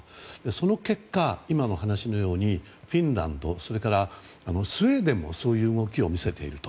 その結果、今の話のようにフィンランド、スウェーデンもそういう動きを見せている。